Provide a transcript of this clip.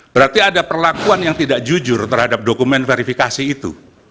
berarti ada perlakuan yang tidak jujur terhadap dokumen verifikasi itu